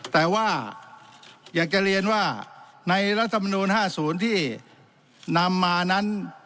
แต่ว่าอยากจะเรียนว่าในรัฐมนูล๕๐ที่นำมานั้น